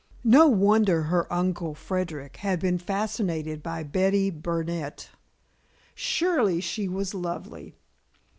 No wonder her Uncle Frederic had been fascinated by Betty Burnett. Surely she was lovely.